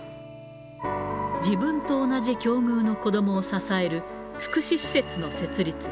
自分と同じ境遇の子どもを支える、福祉施設の設立。